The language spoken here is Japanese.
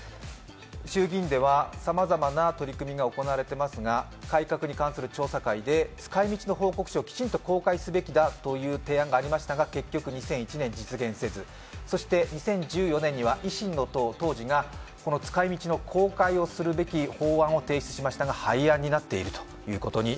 衆議院ではさまざまな取り組みが行われていますが改革に関する調査会で使い道の報告書をきちんと公開すべきだという提案がありましたが、結局２００１年実現せず、そして、２０１４年には維新の党、当時が使い道の公開をするべき法案を提出しましたが廃案になっています。